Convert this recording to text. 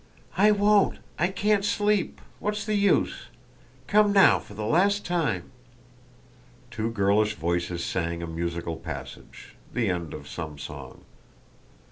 "I won't, I can't sleep, what's the use? Come now for the last time." Two girlish voices sang a musical passage—the end of some song.